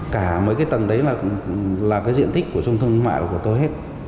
cả mấy cái tầng đấy là cái diện tích của trung thương mại của tôi hết